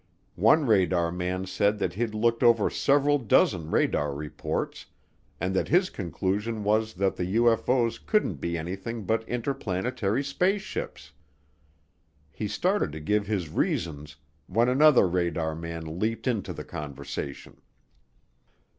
One radar man said that he'd looked over several dozen radar reports and that his conclusion was that the UFO's couldn't be anything but interplanetary spaceships. He started to give his reasons when another radar man leaped into the conversation.